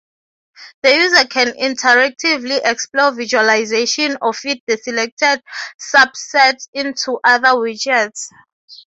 The user can interactively explore visualizations or feed the selected subset into other widgets.